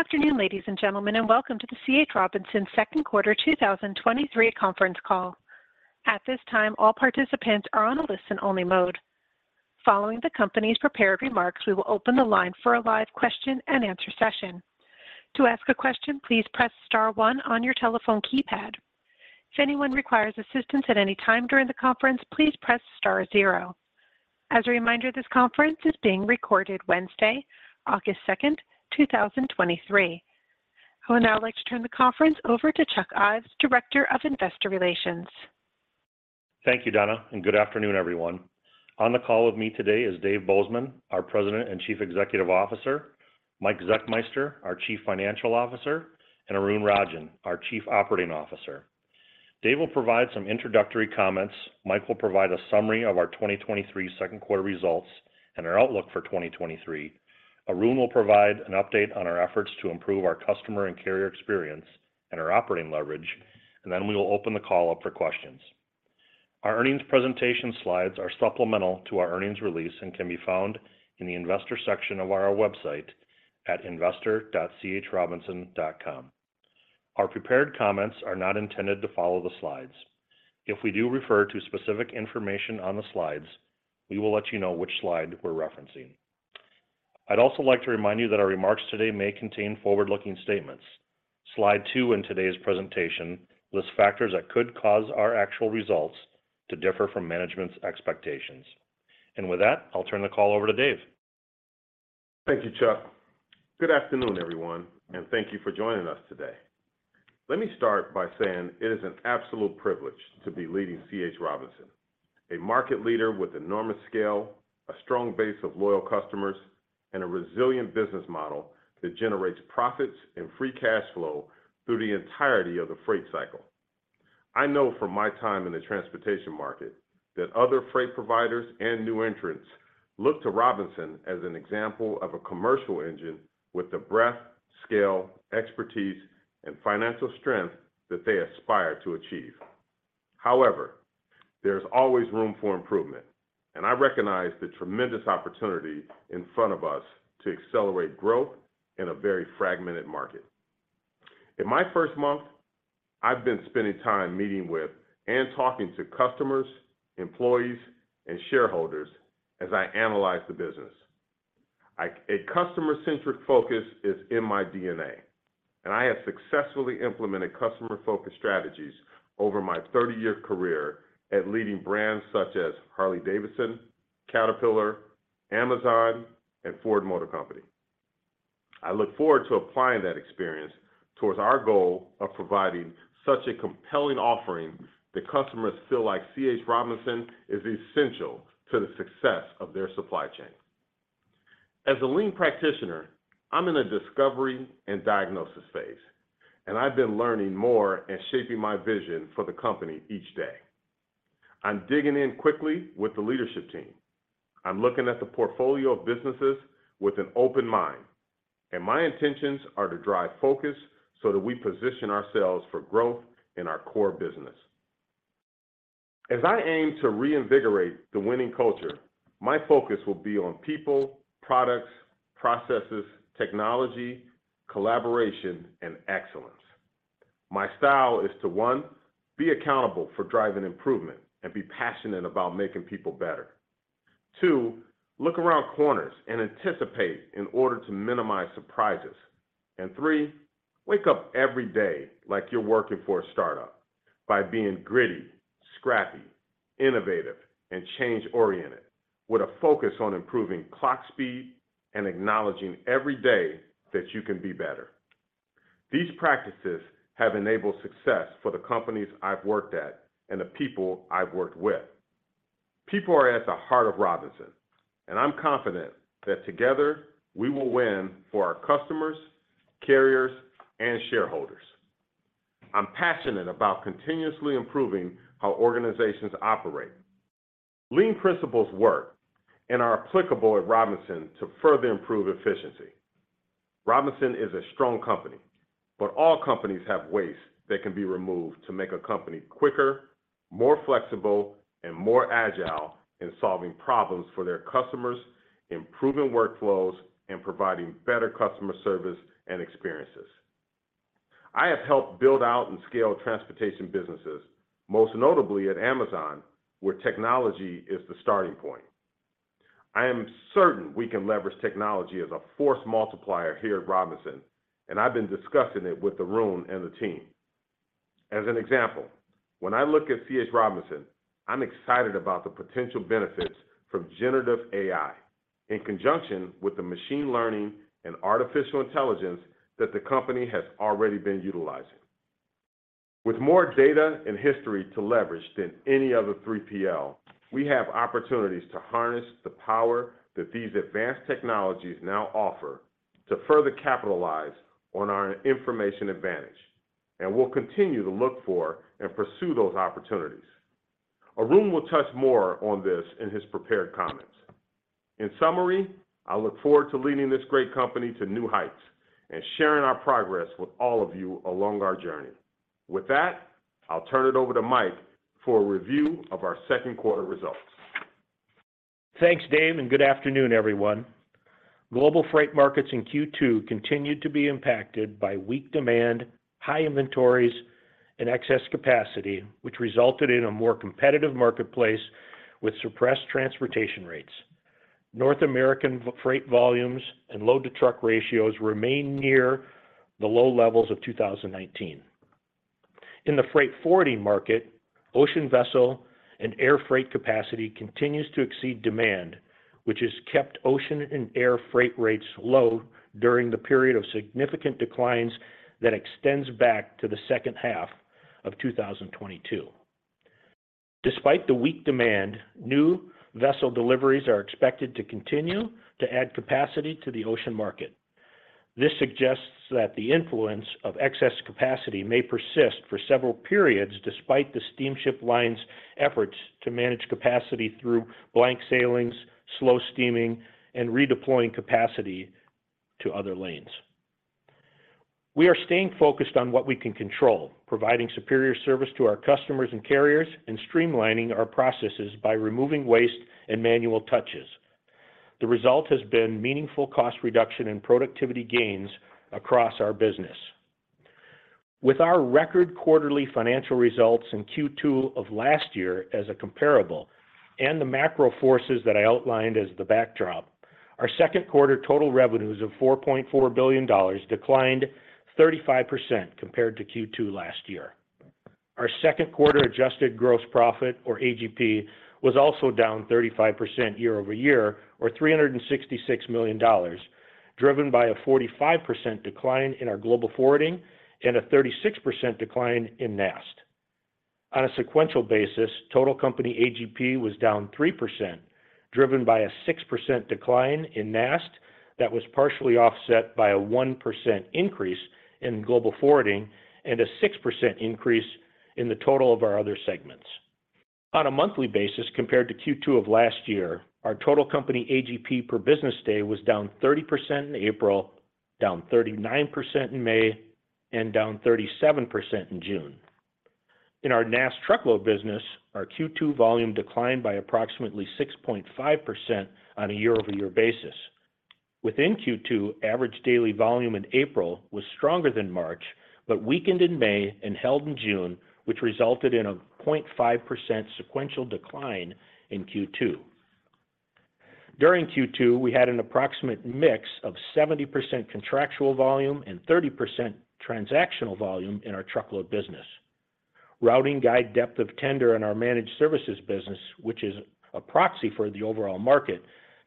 Good afternoon, ladies and gentlemen, welcome to the C.H. Robinson second quarter 2023 conference call. At this time, all participants are on a listen-only mode. Following the company's prepared remarks, we will open the line for a live question-and-answer session. To ask a question, please press star one on your telephone keypad. If anyone requires assistance at any time during the conference, please press star zero. As a reminder, this conference is being recorded Wednesday, August 2nd, 2023. I would now like to turn the conference over to Chuck Ives, Director of Investor Relations. Thank you, Donna. Good afternoon, everyone. On the call with me today is Dave Bozeman, our President and Chief Executive Officer, Mike Zechmeister, our Chief Financial Officer, and Arun Rajan, our Chief Operating Officer. Dave will provide some introductory comments. Mike will provide a summary of our 2023 second quarter results and our outlook for 2023. Arun will provide an update on our efforts to improve our customer and carrier experience and our operating leverage. Then we will open the call up for questions. Our earnings presentation slides are supplemental to our earnings release and can be found in the investor section of our website at investor.chrobinson.com. Our prepared comments are not intended to follow the slides. If we do refer to specific information on the slides, we will let you know which slide we're referencing. I'd also like to remind you that our remarks today may contain forward-looking statements. Slide two in today's presentation lists factors that could cause our actual results to differ from management's expectations. With that, I'll turn the call over to Dave. Thank you, Chuck. Good afternoon, everyone, and thank you for joining us today. Let me start by saying it is an absolute privilege to be leading C.H. Robinson, a market leader with enormous scale, a strong base of loyal customers, and a resilient business model that generates profits and free cash flow through the entirety of the freight cycle. I know from my time in the transportation market that other freight providers and new entrants look to Robinson as an example of a commercial engine with the breadth, scale, expertise, and financial strength that they aspire to achieve. However, there's always room for improvement, and I recognize the tremendous opportunity in front of us to accelerate growth in a very fragmented market. In my first month, I've been spending time meeting with and talking to customers, employees, and shareholders as I analyze the business. A customer-centric focus is in my DNA, and I have successfully implemented customer-focused strategies over my 30-year career at leading brands such as Harley-Davidson, Caterpillar, Amazon, and Ford Motor Company. I look forward to applying that experience towards our goal of providing such a compelling offering that customers feel like C.H. Robinson is essential to the success of their supply chain. As a lean practitioner, I'm in a discovery and diagnosis phase, and I've been learning more and shaping my vision for the company each day. I'm digging in quickly with the leadership team. I'm looking at the portfolio of businesses with an open mind, and my intentions are to drive focus so that we position ourselves for growth in our core business. As I aim to reinvigorate the winning culture, my focus will be on people, products, processes, technology, collaboration, and excellence. My style is to, one, be accountable for driving improvement and be passionate about making people better. Two, look around corners and anticipate in order to minimize surprises. Three, wake up every day like you're working for a startup by being gritty, scrappy, innovative, and change-oriented, with a focus on improving clock speed and acknowledging every day that you can be better. These practices have enabled success for the companies I've worked at and the people I've worked with. People are at the heart of Robinson, and I'm confident that together, we will win for our customers, carriers, and shareholders. I'm passionate about continuously improving how organizations operate. Lean principles work and are applicable at Robinson to further improve efficiency. Robinson is a strong company, all companies have waste that can be removed to make a company quicker, more flexible, and more agile in solving problems for their customers, improving workflows, and providing better customer service and experiences. I have helped build out and scale transportation businesses, most notably at Amazon, where technology is the starting point. I am certain we can leverage technology as a force multiplier here at Robinson, and I've been discussing it with Arun Rajan and the team. As an example, when I look at C.H. Robinson, I'm excited about the potential benefits from Generative AI in conjunction with the machine learning and artificial intelligence that the company has already been utilizing. With more data and history to leverage than any other 3PL, we have opportunities to harness the power that these advanced technologies now offer to further capitalize on our information advantage, and we'll continue to look for and pursue those opportunities. Arun will touch more on this in his prepared comments. In summary, I look forward to leading this great company to new heights and sharing our progress with all of you along our journey. With that, I'll turn it over to Mike for a review of our second quarter results. Thanks, Dave. Good afternoon, everyone. Global freight markets in Q2 continued to be impacted by weak demand, high inventories, and excess capacity, which resulted in a more competitive marketplace with suppressed transportation rates. North American freight volumes and load-to-truck ratios remain near the low levels of 2019. In the freight forwarding market, ocean vessel and air freight capacity continues to exceed demand, which has kept ocean and air freight rates low during the period of significant declines that extends back to the second half of 2022. Despite the weak demand, new vessel deliveries are expected to continue to add capacity to the ocean market. This suggests that the influence of excess capacity may persist for several periods, despite the steamship lines' efforts to manage capacity through blank sailings, slow steaming, and redeploying capacity to other lanes. We are staying focused on what we can control, providing superior service to our customers and carriers, and streamlining our processes by removing waste and manual touches. The result has been meaningful cost reduction and productivity gains across our business. With our record quarterly financial results in Q2 of last year as a comparable and the macro forces that I outlined as the backdrop, our second quarter total revenues of $4.4 billion declined 35% compared to Q2 last year. Our second quarter adjusted gross profit, or AGP, was also down 35% year-over-year, or $366 million, driven by a 45% decline in our Global Forwarding and a 36% decline in NAST. On a sequential basis, total company AGP was down 3%, driven by a 6% decline in NAST that was partially offset by a 1% increase in Global Forwarding and a 6% increase in the total of our other segments. On a monthly basis, compared to Q2 of last year, our total company AGP per business day was down 30% in April, down 39% in May, and down 37% in June. In our NAST truckload business, our Q2 volume declined by approximately 6.5% on a year-over-year basis. Within Q2, average daily volume in April was stronger than March, weakened in May and held in June, which resulted in a 0.5% sequential decline in Q2. During Q2, we had an approximate mix of 70% contractual volume and 30% transactional volume in our truckload business. Routing guide depth of tender in our managed services business, which is a proxy for the overall market,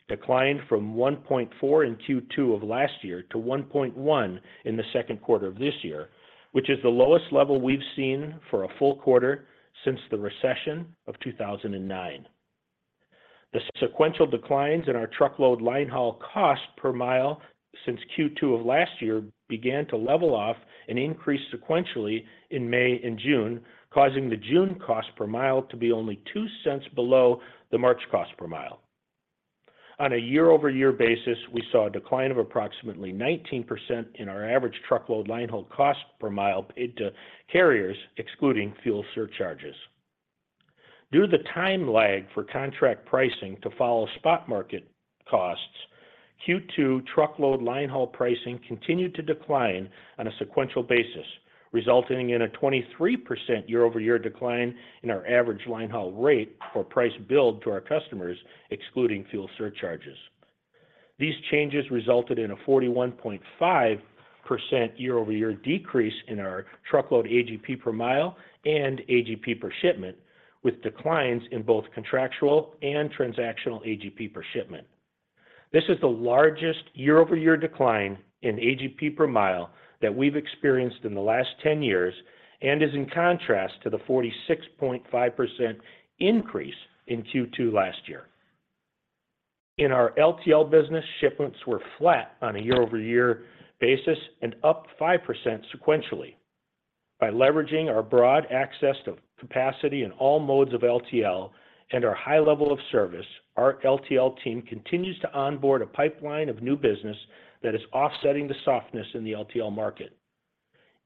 declined from 1.4 in Q2 of last year to 1.1 in the second quarter of this year, which is the lowest level we've seen for a full quarter since the recession of 2009. The sequential declines in our truckload linehaul cost per mile since Q2 of last year began to level off and increase sequentially in May and June, causing the June cost per mile to be only $0.2 below the March cost per mile. On a year-over-year basis, we saw a decline of approximately 19% in our average truckload linehaul cost per mile paid to carriers, excluding fuel surcharges. Due to the time lag for contract pricing to follow spot market costs, Q2 truckload linehaul pricing continued to decline on a sequential basis, resulting in a 23% year-over-year decline in our average linehaul rate for price build to our customers, excluding fuel surcharges. These changes resulted in a 41.5% year-over-year decrease in our truckload AGP per mile and AGP per shipment, with declines in both contractual and transactional AGP per shipment. This is the largest year-over-year decline in AGP per mile that we've experienced in the last 10 years and is in contrast to the 46.5% increase in Q2 last year. In our LTL business, shipments were flat on a year-over-year basis and up 5% sequentially. By leveraging our broad access to capacity in all modes of LTL and our high level of service, our LTL team continues to onboard a pipeline of new business that is offsetting the softness in the LTL market.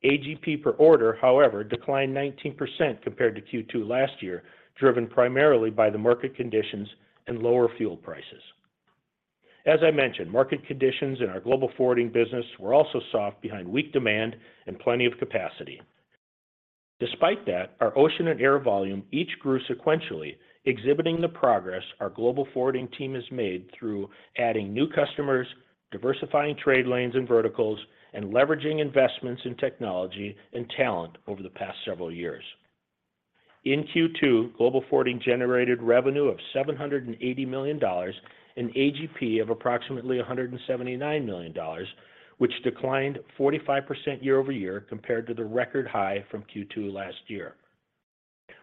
AGP per order, however, declined 19% compared to Q2 last year, driven primarily by the market conditions and lower fuel prices. As I mentioned, market conditions in our Global Forwarding business were also soft behind weak demand and plenty of capacity. Despite that, our ocean and air volume each grew sequentially, exhibiting the progress our Global Forwarding team has made through adding new customers, diversifying trade lanes and verticals, and leveraging investments in technology and talent over the past several years. In Q2, Global Forwarding generated revenue of $780 million and AGP of approximately $179 million, which declined 45% year-over-year compared to the record high from Q2 last year.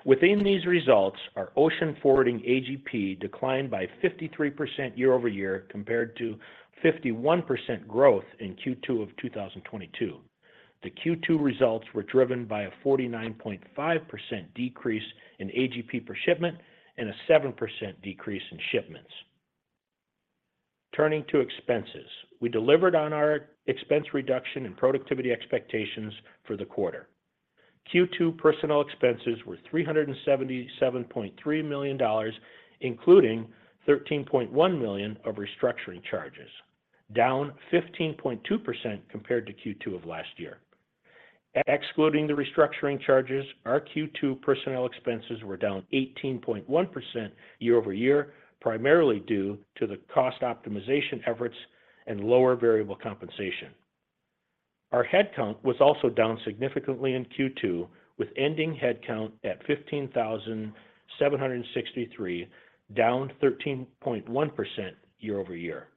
Within these results, our ocean forwarding AGP declined by 53% year-over-year, compared to 51% growth in Q2 of 2022. The Q2 results were driven by a 49.5% decrease in AGP per shipment and a 7% decrease in shipments. Turning to expenses. We delivered on our expense reduction and productivity expectations for the quarter. Q2 personnel expenses were $377.3 million, including $13.1 million of restructuring charges, down 15.2% compared to Q2 of last year. Excluding the restructuring charges, our Q2 personnel expenses were down 18.1% year-over-year, primarily due to the cost optimization efforts and lower variable compensation. Our headcount was also down significantly in Q2, with ending headcount at 15,763, down 13.1% year-over-year.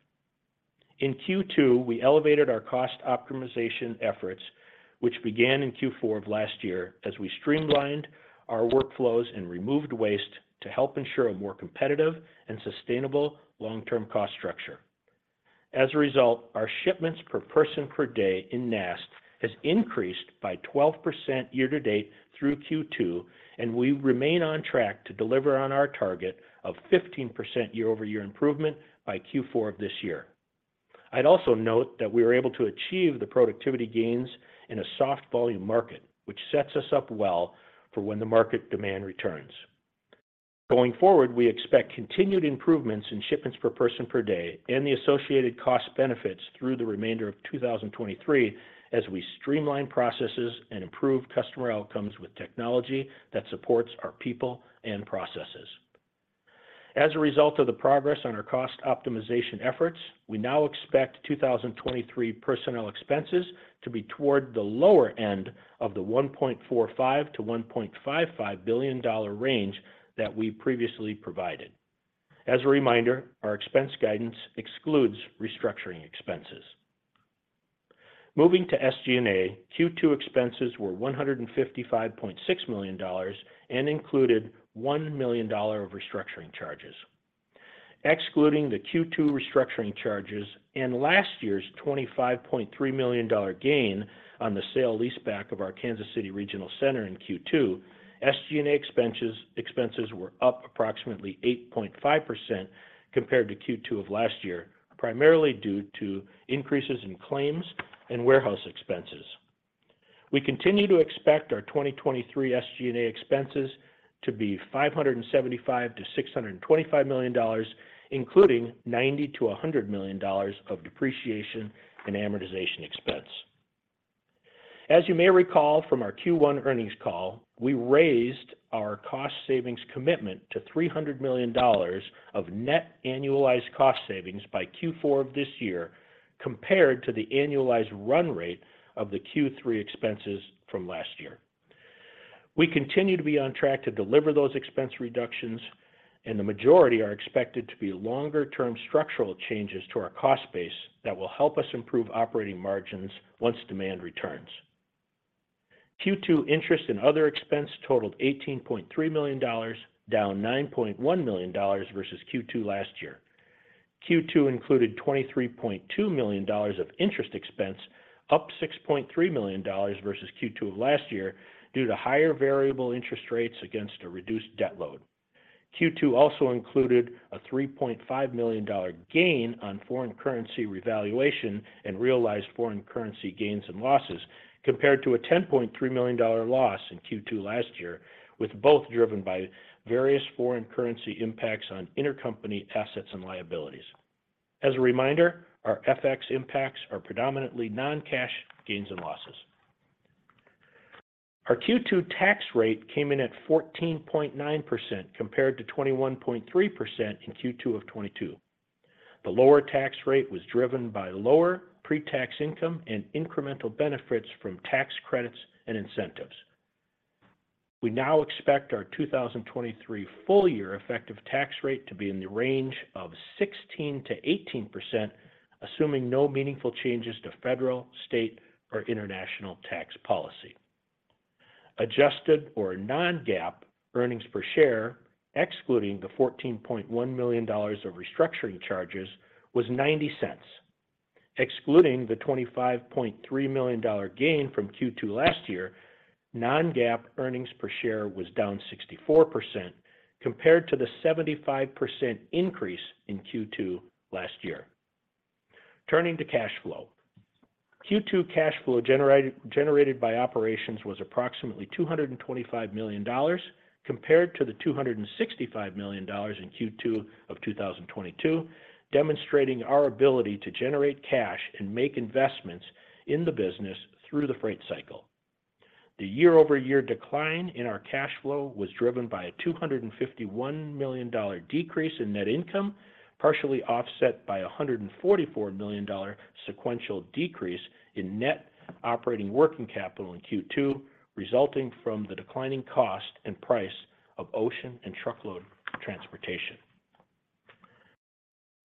In Q2, we elevated our cost optimization efforts, which began in Q4 of last year, as we streamlined our workflows and removed waste to help ensure a more competitive and sustainable long-term cost structure. As a result, our shipments per person per day in NAST has increased by 12% year to date through Q2, and we remain on track to deliver on our target of 15% year-over-year improvement by Q4 of this year. I'd also note that we were able to achieve the productivity gains in a soft volume market, which sets us up well for when the market demand returns. Going forward, we expect continued improvements in shipments per person per day and the associated cost benefits through the remainder of 2023, as we streamline processes and improve customer outcomes with technology that supports our people and processes. As a result of the progress on our cost optimization efforts, we now expect 2023 personnel expenses to be toward the lower end of the $1.45 billion-$1.55 billion range that we previously provided. As a reminder, our expense guidance excludes restructuring expenses. Moving to SG&A, Q2 expenses were $155.6 million and included $1 million of restructuring charges. Excluding the Q2 restructuring charges and last year's $25.3 million gain on the sale leaseback of our Kansas City Regional Center in Q2, SG&A expenses were up approximately 8.5% compared to Q2 of last year, primarily due to increases in claims and warehouse expenses. We continue to expect our 2023 SG&A expenses to be $575 million-$625 million, including $90 million-$100 million of depreciation and amortization expense. As you may recall from our Q1 earnings call, we raised our cost savings commitment to $300 million of net annualized cost savings by Q4 of this year, compared to the annualized run rate of the Q3 expenses from last year. We continue to be on track to deliver those expense reductions, and the majority are expected to be longer term structural changes to our cost base that will help us improve operating margins once demand returns. Q2 interest and other expense totaled $18.3 million, down $9.1 million versus Q2 last year. Q2 included $23.2 million of interest expense, up $6.3 million versus Q2 of last year, due to higher variable interest rates against a reduced debt load. Q2 also included a $3.5 million gain on foreign currency revaluation and realized foreign currency gains and losses, compared to a $10.3 million loss in Q2 last year, with both driven by various foreign currency impacts on intercompany assets and liabilities. As a reminder, our FX impacts are predominantly non-cash gains and losses. Our Q2 tax rate came in at 14.9%, compared to 21.3% in Q2 of 2022. The lower tax rate was driven by lower pre-tax income and incremental benefits from tax credits and incentives. We now expect our 2023 full year effective tax rate to be in the range of 16%-18%, assuming no meaningful changes to federal, state, or international tax policy. Adjusted or non-GAAP earnings per share, excluding the $14.1 million of restructuring charges, was $0.90. Excluding the $25.3 million gain from Q2 last year, non-GAAP earnings per share was down 64%, compared to the 75% increase in Q2 last year. Turning to cash flow, Q2 cash flow generated by operations was approximately $225 million, compared to the $265 million in Q2 of 2022, demonstrating our ability to generate cash and make investments in the business through the freight cycle. The year-over-year decline in our cash flow was driven by a $251 million decrease in net income, partially offset by a $144 million sequential decrease in net operating working capital in Q2, resulting from the declining cost and price of ocean and truckload transportation.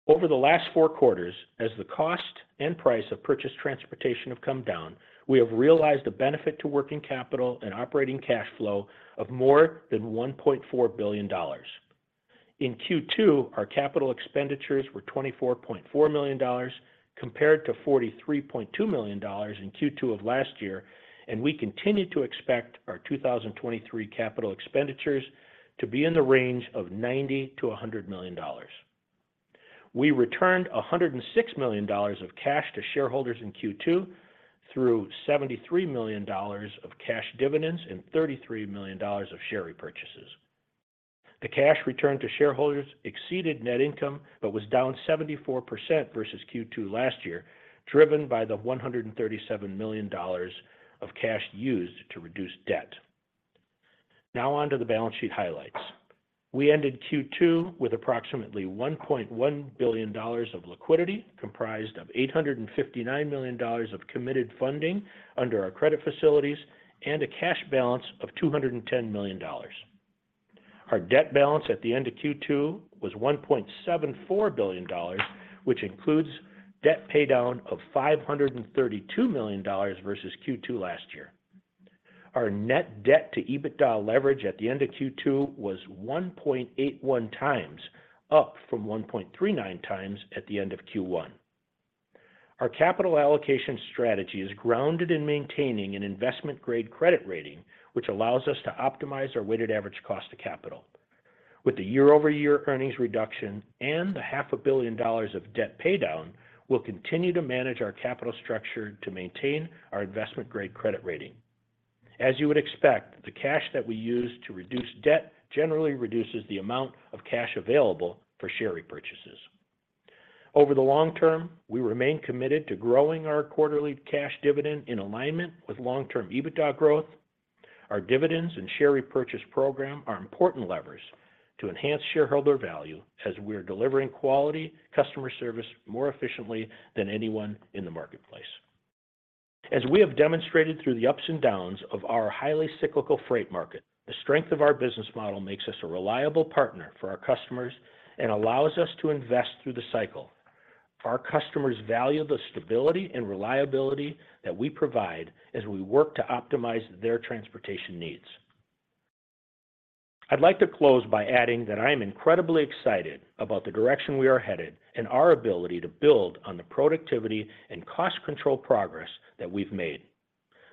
Over the last four quarters, as the cost and price of purchased transportation have come down, we have realized a benefit to working capital and operating cash flow of more than $1.4 billion. In Q2, our capital expenditures were $24.4 million, compared to $43.2 million in Q2 of last year, and we continue to expect our 2023 capital expenditures to be in the range of $90 million-$100 million. We returned $106 million of cash to shareholders in Q2, through $73 million of cash dividends and $33 million of share repurchases. The cash returned to shareholders exceeded net income, but was down 74% versus Q2 last year, driven by the $137 million of cash used to reduce debt. On to the balance sheet highlights. We ended Q2 with approximately $1.1 billion of liquidity, comprised of $859 million of committed funding under our credit facilities, and a cash balance of $210 million. Our debt balance at the end of Q2 was $1.74 billion, which includes debt paydown of $532 million versus Q2 last year. Our net debt to EBITDA leverage at the end of Q2 was 1.81 times, up from 1.39 times at the end of Q1. Our capital allocation strategy is grounded in maintaining an investment-grade credit rating, which allows us to optimize our weighted average cost of capital. With the year-over-year earnings reduction and the $500 million of debt paydown, we'll continue to manage our capital structure to maintain our investment-grade credit rating. As you would expect, the cash that we use to reduce debt generally reduces the amount of cash available for share repurchases. Over the long term, we remain committed to growing our quarterly cash dividend in alignment with long-term EBITDA growth. Our dividends and share repurchase program are important levers to enhance shareholder value, as we are delivering quality customer service more efficiently than anyone in the marketplace. As we have demonstrated through the ups and downs of our highly cyclical freight market, the strength of our business model makes us a reliable partner for our customers and allows us to invest through the cycle. Our customers value the stability and reliability that we provide as we work to optimize their transportation needs. I'd like to close by adding that I am incredibly excited about the direction we are headed and our ability to build on the productivity and cost control progress that we've made.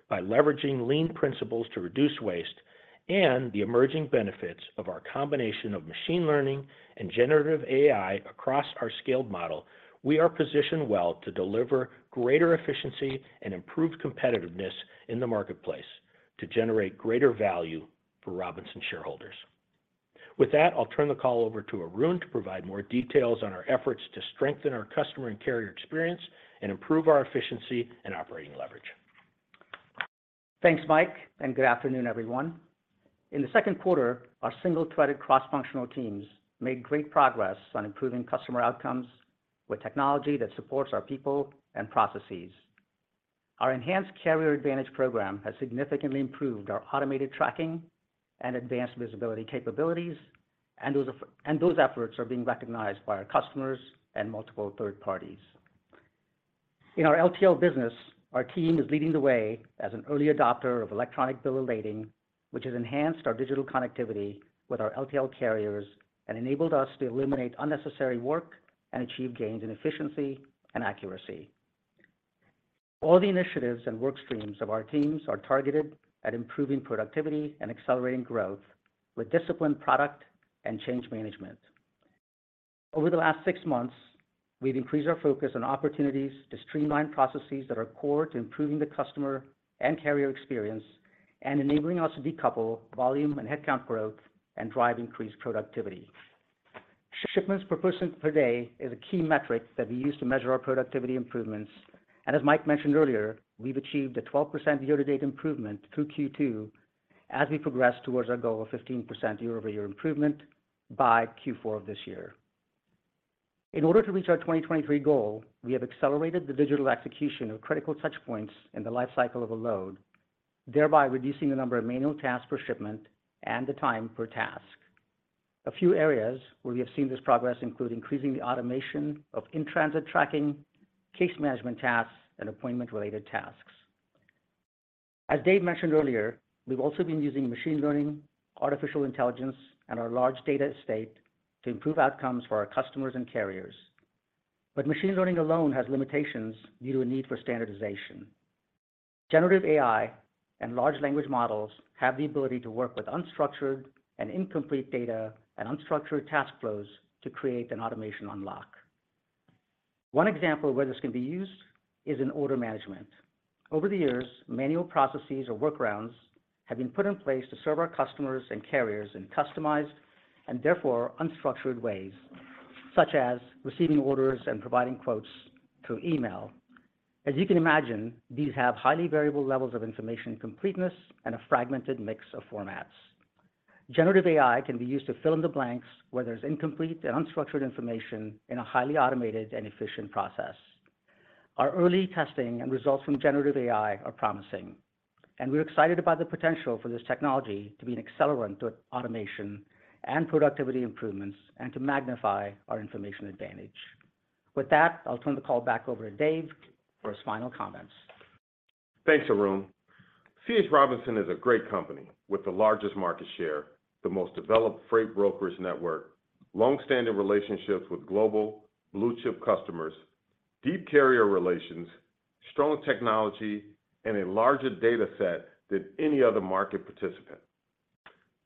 By leveraging lean principles to reduce waste and the emerging benefits of our combination of machine learning and Generative AI across our scaled model, we are positioned well to deliver greater efficiency and improved competitiveness in the marketplace to generate greater value for Robinson shareholders. With that, I'll turn the call over to Arun to provide more details on our efforts to strengthen our customer and carrier experience and improve our efficiency and operating leverage. Thanks, Mike. Good afternoon, everyone. In the second quarter, our single-threaded cross-functional teams made great progress on improving customer outcomes with technology that supports our people and processes. Our enhanced Carrier Advantage Program has significantly improved our automated tracking and advanced visibility capabilities, and those efforts are being recognized by our customers and multiple third parties. In our LTL business, our team is leading the way as an early adopter of electronic bill of lading, which has enhanced our digital connectivity with our LTL carriers and enabled us to eliminate unnecessary work and achieve gains in efficiency and accuracy. All the initiatives and work streams of our teams are targeted at improving productivity and accelerating growth with disciplined product and change management. Over the last six months, we've increased our focus on opportunities to streamline processes that are core to improving the customer and carrier experience, and enabling us to decouple volume and headcount growth, and drive increased productivity. Shipments per person per day is a key metric that we use to measure our productivity improvements, and as Mike mentioned earlier, we've achieved a 12% year-to-date improvement through Q2 as we progress towards our goal of 15% year-over-year improvement by Q4 of this year. In order to reach our 2023 goal, we have accelerated the digital execution of critical touch points in the life cycle of a load, thereby reducing the number of manual tasks per shipment and the time per task. A few areas where we have seen this progress include increasing the automation of in-transit tracking, case management tasks, and appointment-related tasks. As Dave mentioned earlier, we've also been using machine learning, artificial intelligence, and our large data estate to improve outcomes for our customers and carriers. Machine learning alone has limitations due to a need for standardization. Generative AI and large language models have the ability to work with unstructured and incomplete data and unstructured task flows to create an automation unlock. One example of where this can be used is in order management. Over the years, manual processes or workarounds have been put in place to serve our customers and carriers in customized, and therefore unstructured ways, such as receiving orders and providing quotes through email. As you can imagine, these have highly variable levels of information completeness and a fragmented mix of formats. Generative AI can be used to fill in the blanks where there's incomplete and unstructured information in a highly automated and efficient process. Our early testing and results from Generative AI are promising. We're excited about the potential for this technology to be an accelerant to automation and productivity improvements, and to magnify our information advantage. With that, I'll turn the call back over to Dave for his final comments. Thanks, Arun. C.H. Robinson is a great company with the largest market share, the most developed freight brokers network, long-standing relationships with global blue-chip customers, deep carrier relations, strong technology, and a larger data set than any other market participant.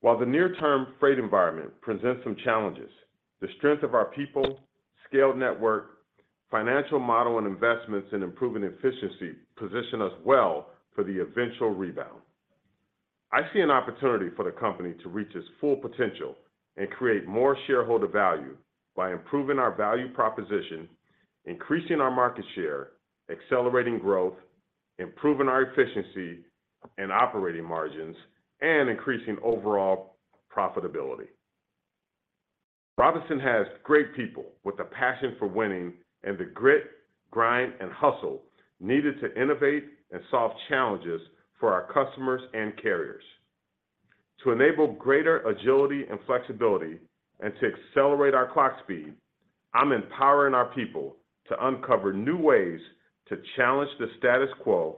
While the near-term freight environment presents some challenges, the strength of our people, scaled network, financial model, and investments in improving efficiency position us well for the eventual rebound. I see an opportunity for the company to reach its full potential and create more shareholder value by improving our value proposition, increasing our market share, accelerating growth, improving our efficiency and operating margins, and increasing overall profitability. Robinson has great people with a passion for winning and the grit, grind, and hustle needed to innovate and solve challenges for our customers and carriers. To enable greater agility and flexibility and to accelerate our clock speed, I'm empowering our people to uncover new ways to challenge the status quo,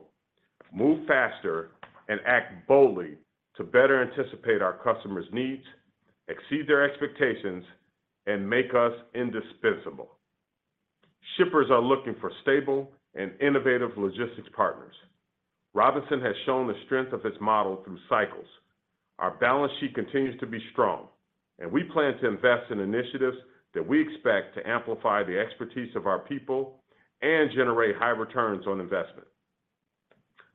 move faster, and act boldly to better anticipate our customers' needs, exceed their expectations, and make us indispensable. Shippers are looking for stable and innovative logistics partners. Robinson has shown the strength of its model through cycles. Our balance sheet continues to be strong, and we plan to invest in initiatives that we expect to amplify the expertise of our people and generate high returns on investment.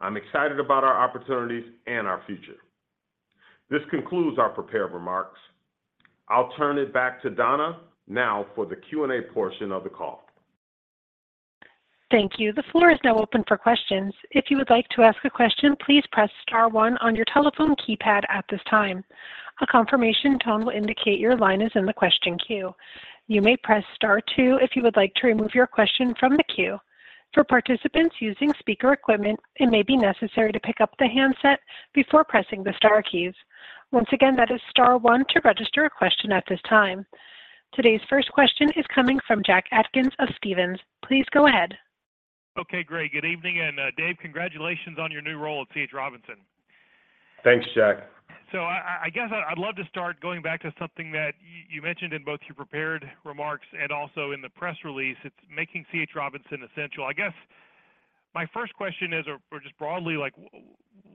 I'm excited about our opportunities and our future. This concludes our prepared remarks. I'll turn it back to Donna now for the Q&A portion of the call. Thank you. The floor is now open for questions. If you would like to ask a question, please press star one on your telephone keypad at this time. A confirmation tone will indicate your line is in the question queue. You may press star two if you would like to remove your question from the queue. For participants using speaker equipment, it may be necessary to pick up the handset before pressing the star keys. Once again, that is star one to register a question at this time. Today's first question is coming from Jack Atkins of Stephens. Please go ahead. Okay, great. Good evening, Dave, congratulations on your new role at C.H. Robinson. Thanks, Jack. I guess I'd love to start going back to something that you mentioned in both your prepared remarks and also in the press release. It's making C.H. Robinson essential. I guess my first question is, or just broadly, like,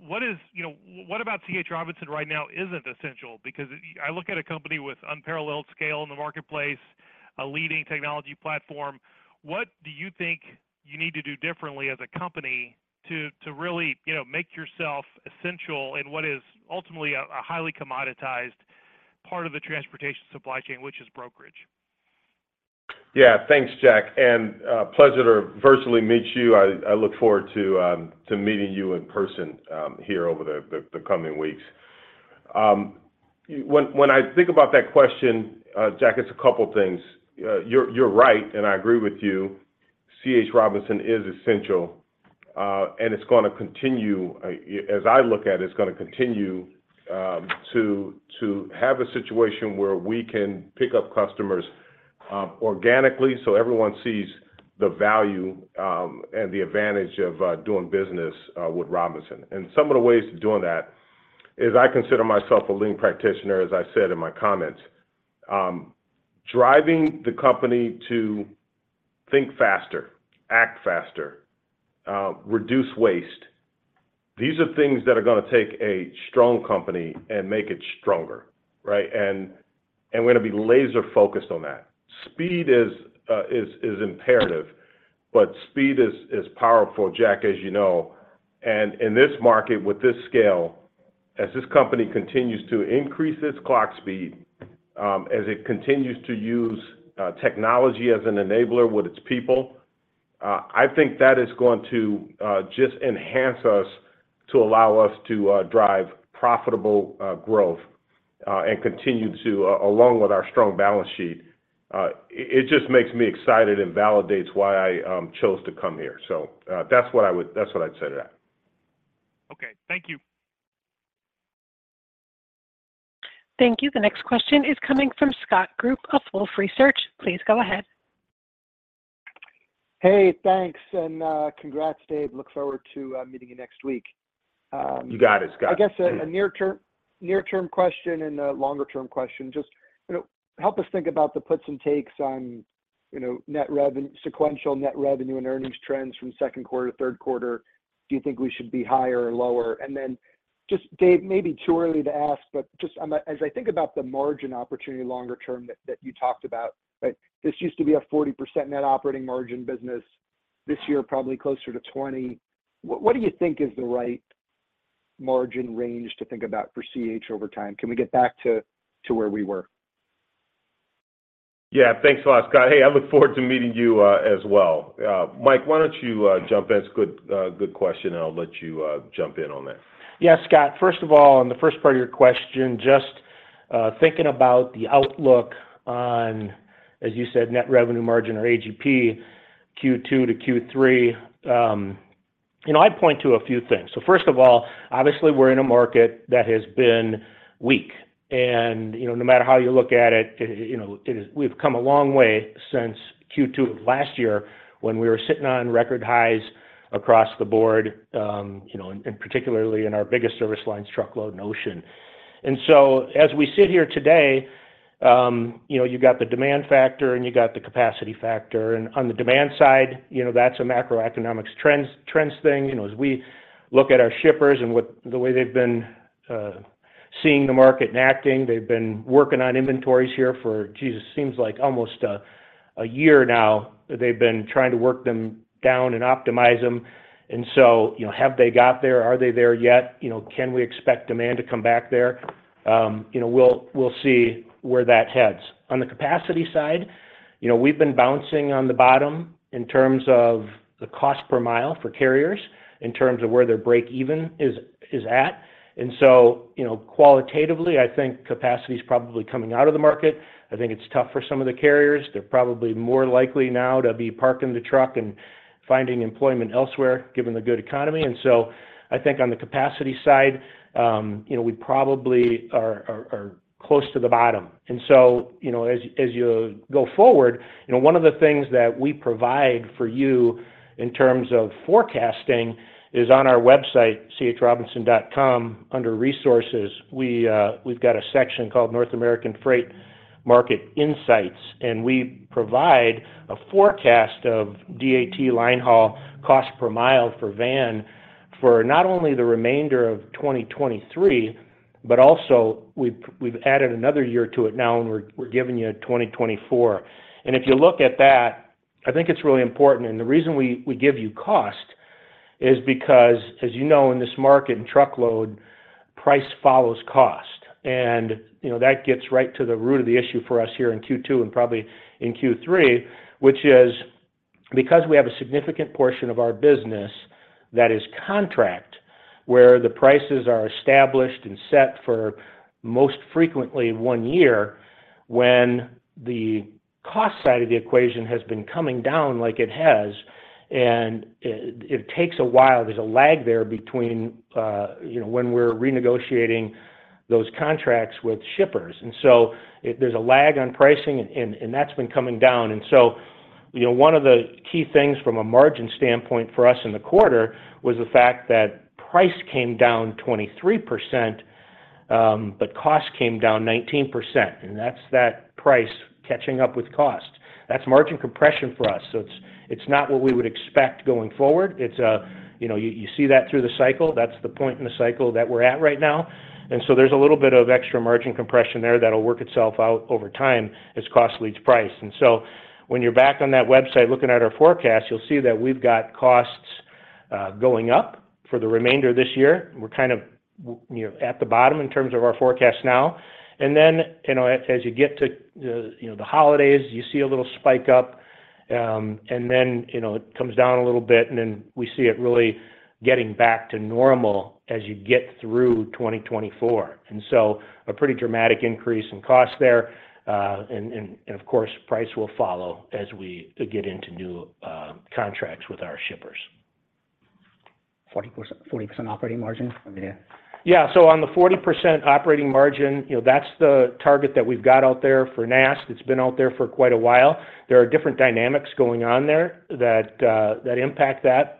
what is, you know, what about C.H. Robinson right now isn't essential? Because I look at a company with unparalleled scale in the marketplace, a leading technology platform. What do you think you need to do differently as a company to really, you know, make yourself essential in what is ultimately a highly commoditized part of the transportation supply chain, which is brokerage? Yeah, thanks, Jack, pleasure to virtually meet you. I, I look forward to meeting you in person here over the, the, the coming weeks. When, when I think about that question, Jack, it's a couple things. You're, you're right, and I agree with you, C.H. Robinson is essential, and it's going to continue, as I look at it, it's going to continue to have a situation where we can pick up customers organically, so everyone sees the value and the advantage of doing business with Robinson. Some of the ways of doing that is I consider myself a lean practitioner, as I said in my comments. Driving the company to think faster, act faster, reduce waste. These are things that are going to take a strong company and make it stronger, right? We're going to be laser-focused on that. Speed is, is imperative, but speed is, is powerful, Jack, as you know, and in this market, with this scale, as this company continues to increase its clock speed, as it continues to use technology as an enabler with its people, I think that is going to just enhance us to allow us to drive profitable growth and continue to along with our strong balance sheet. It just makes me excited and validates why I chose to come here. That's what I would-- that's what I'd say to that. Okay. Thank you. Thank you. The next question is coming from Scott Group of Wolfe Research. Please go ahead. Hey, thanks, and congrats, Dave. Look forward to meeting you next week. You got it, Scott. I guess a, a near-term, near-term question and a longer-term question. Just, you know, help us think about the puts and takes on, you know, sequential net revenue and earnings trends from second quarter to third quarter. Do you think we should be higher or lower? Just, Dave, maybe too early to ask, but just as I think about the margin opportunity longer term that, that you talked about, right? This used to be a 40% net operating margin business. This year, probably closer to 20%. What, what do you think is the right margin range to think about for CH over time? Can we get back to, to where we were? Yeah. Thanks a lot, Scott. Hey, I look forward to meeting you as well. Mike, why don't you jump in? It's a good, good question, and I'll let you jump in on that. Yeah, Scott, first of all, on the first part of your question, just thinking about the outlook on, as you said, net revenue margin or AGP, Q2 to Q3, you know, I'd point to a few things. First of all, obviously, we're in a market that has been weak, and, you know, no matter how you look at it, we've come a long way since Q2 of last year, when we were sitting on record highs across the board, you know, particularly in our biggest service lines, truckload and ocean. As we sit here today, you know, you've got the demand factor, and you got the capacity factor, and on the demand side, you know, that's a macroeconomics trends thing. You know, as we look at our shippers and the way they've been seeing the market and acting, they've been working on inventories here for, Jesus, seems like almost a year now, they've been trying to work them down and optimize them. You know, have they got there? Are they there yet? You know, can we expect demand to come back there? You know, we'll, we'll see where that heads. On the capacity side, you know, we've been bouncing on the bottom in terms of the cost per mile for carriers, in terms of where their break-even is, is at. You know, qualitatively, I think capacity is probably coming out of the market. I think it's tough for some of the carriers. They're probably more likely now to be parking the truck and finding employment elsewhere, given the good economy. I think on the capacity side, you know, we probably are, are, are close to the bottom. You know, as you, as you go forward, you know, one of the things that we provide for you in terms of forecasting is on our website, chrobinson.com, under Resources, we've got a section called North American Freight Market Insights, and we provide a forecast of DAT linehaul cost per mile for van, for not only the remainder of 2023, but also we've, we've added another year to it now, and we're, we're giving you 2024. If you look at that, I think it's really important. The reason we, we give you cost is because, as you know, in this market, in truckload, price follows cost. You know, that gets right to the root of the issue for us here in Q2 and probably in Q3, which is because we have a significant portion of our business that is contract, where the prices are established and set for most frequently one year, when the cost side of the equation has been coming down like it has, and it takes a while. There's a lag there between, you know, when we're renegotiating those contracts with shippers. So if there's a lag on pricing, and that's been coming down. You know, one of the key things from a margin standpoint for us in the quarter was the fact that price came down 23%, but cost came down 19%, and that's that price catching up with cost. That's margin compression for us. It's, it's not what we would expect going forward. It's, you know, you, you see that through the cycle. That's the point in the cycle that we're at right now. There's a little bit of extra margin compression there that'll work itself out over time as cost leads price. When you're back on that website looking at our forecast, you'll see that we've got costs going up for the remainder of this year. We're kind of, you know, at the bottom in terms of our forecast now. Then, you know, as, as you get to the, you know, the holidays, you see a little spike up, and then, you know, it comes down a little bit, and then we see it really getting back to normal as you get through 2024. A pretty dramatic increase in cost there, and of course, price will follow as we get into new contracts with our shippers. 40%, 40% operating margin? I mean- Yeah. On the 40% operating margin, you know, that's the target that we've got out there for NAST. It's been out there for quite a while. There are different dynamics going on there that impact that.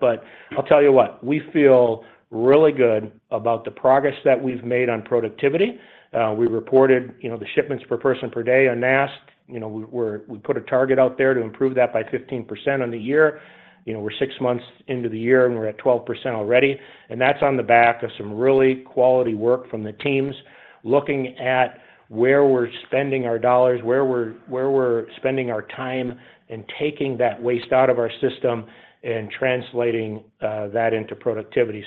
I'll tell you what, we feel really good about the progress that we've made on productivity. We reported, you know, the shipments per person per day on NAST. You know, we put a target out there to improve that by 15% on the year. You know, we're six months into the year, and we're at 12% already, and that's on the back of some really quality work from the teams, looking at where we're spending our dollars, where we're spending our time, and taking that waste out of our system and translating that into productivity.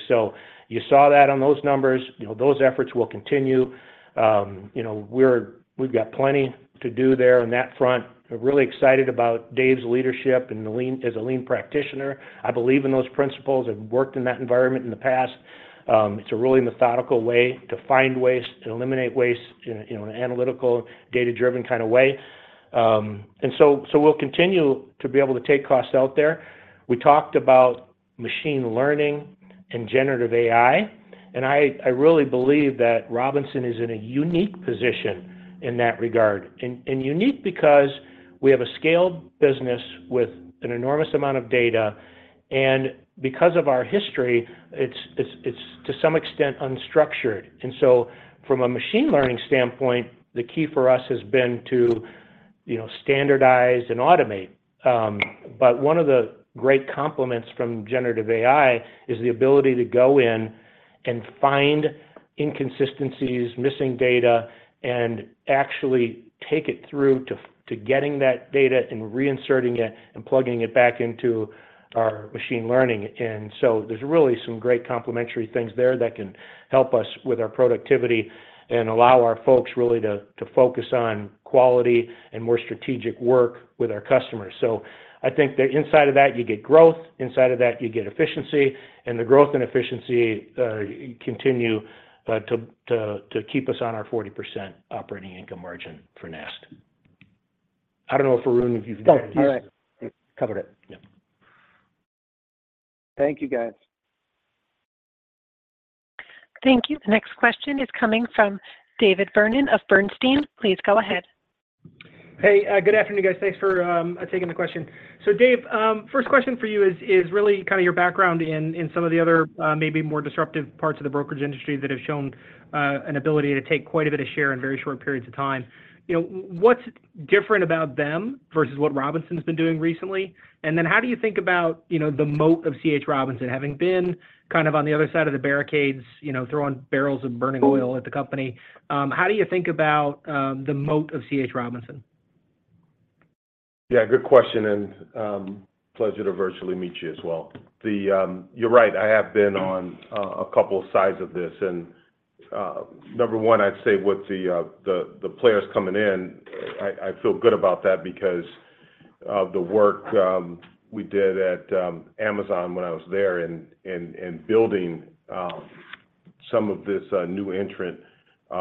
You saw that on those numbers. You know, those efforts will continue. You know, we've got plenty to do there on that front. We're really excited about Dave's leadership and lean, as a lean practitioner. I believe in those Lean principles and worked in that environment in the past. It's a really methodical way to find waste, to eliminate waste, in, you know, an analytical, data-driven kind of way. So we'll continue to be able to take costs out there. We talked about machine learning and Generative AI, and I, I really believe that Robinson is in a unique position in that regard. Unique because we have a scaled business with an enormous amount of data, and because of our history, it's to some extent unstructured. From a machine learning standpoint, the key for us has been to, you know, standardize and automate. One of the great compliments from Generative AI is the ability to go in and find inconsistencies, missing data, and actually take it through to getting that data and reinserting it and plugging it back into our machine learning. So there's really some great complementary things there that can help us with our productivity and allow our folks really to focus on quality and more strategic work with our customers. I think that inside of that, you get growth, inside of that, you get efficiency, and the growth and efficiency continue to keep us on our 40% operating income margin for NAST. I don't know, Arun, if you've got. No. All right. Covered it. Yeah. Thank you, guys. Thank you. The next question is coming from David Vernon of Bernstein. Please go ahead. Hey, good afternoon, guys. Thanks for taking the question. So Dave, first question for you is, is really kind of your background in, in some of the other, maybe more disruptive parts of the brokerage industry that have shown an ability to take quite a bit of share in very short periods of time. You know, what's different about them versus what Robinson's been doing recently? Then how do you think about, you know, the moat of C.H. Robinson, having been kind of on the other side of the barricades, you know, throwing barrels of burning oil at the company? How do you think about the moat of C.H. Robinson? Yeah, good question, pleasure to virtually meet you as well. You're right, I have been on a couple of sides of this, and number one, I'd say with the, the, the players coming in, I, I feel good about that because of the work we did at Amazon when I was there and, and, and building some of this new entrant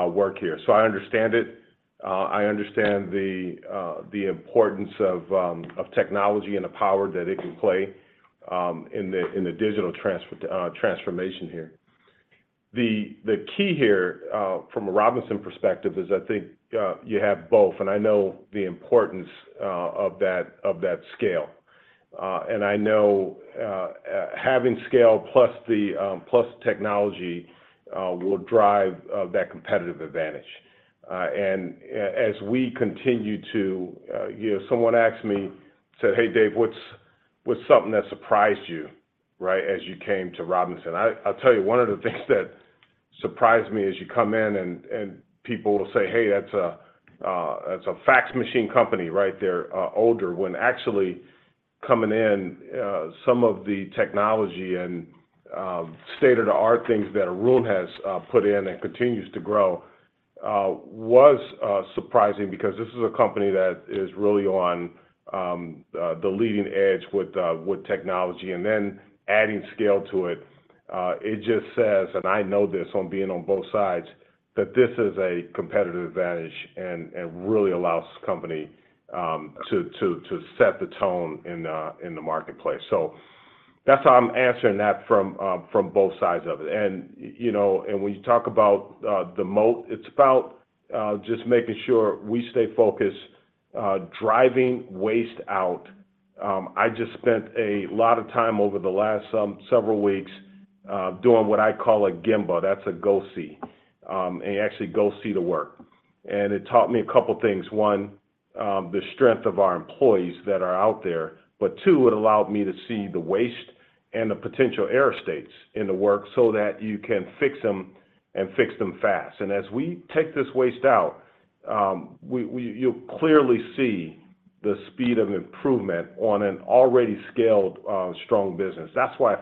work here. I understand it. I understand the importance of technology and the power that it can play in the digital transformation here. The key here, from a Robinson perspective is I think you have both, and I know the importance of that, of that scale. I know, having scale plus the technology will drive that competitive advantage. As we continue to- you know, someone asked me, said, "Hey, Dave, what's something that surprised you, right, as you came to Robinson?" I'll tell you, one of the things that surprised me is you come in and people will say, "Hey, that's a, that's a fax machine company, right? They're older." When actually, coming in, some of the technology and state-of-the-art things that Arun has put in and continues to grow, was surprising because this is a company that is really on the leading edge with technology, and then adding scale to it, it just says, and I know this from being on both sides, that this is a competitive advantage and really allows this company to set the tone in the marketplace. That's how I'm answering that from both sides of it. You know, when you talk about the moat, it's about just making sure we stay focused, driving waste out. I just spent a lot of time over the last several weeks, doing what I call a gemba. That's a go see. You actually go see the work. It taught me a couple things. One, the strength of our employees that are out there, but two, it allowed me to see the waste and the potential error states in the work so that you can fix them and fix them fast. As we take this waste out, you'll clearly see the speed of improvement on an already scaled, strong business. That's why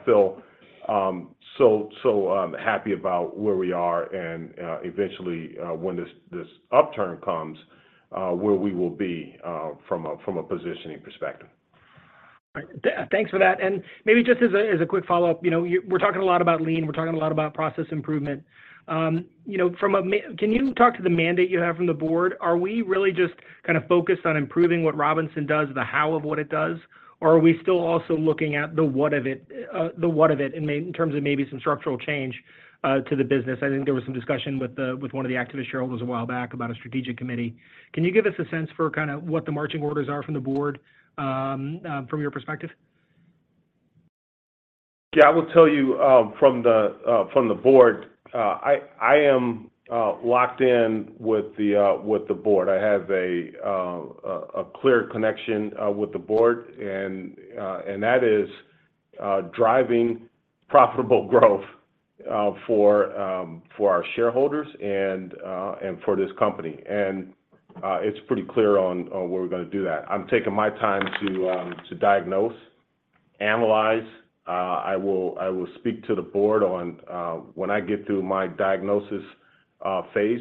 I feel so, so happy about where we are and eventually, when this, this upturn comes, where we will be from a, from a positioning perspective. All right. Thanks for that. Maybe just as a, as a quick follow-up, you know, we're talking a lot about lean, we're talking a lot about process improvement. You know, from a mand- can you talk to the mandate you have from the board? Are we really just kind of focused on improving what Robinson does, the how of what it does, or are we still also looking at the what of it, the what of it, in terms of maybe some structural change to the business? I think there was some discussion with the, with one of the activist shareholders a while back about a strategic committee. Can you give us a sense for kind of what the marching orders are from the board, from your perspective? Yeah, I will tell you, from the, from the board, I, I am, locked in with the, with the board. I have a, a, a clear connection, with the board, and, and that is, driving profitable growth, for, for our shareholders and, and for this company. It's pretty clear on, on where we're gonna do that. I'm taking my time to, to diagnose, analyze. I will, I will speak to the board on, when I get through my diagnosis, phase.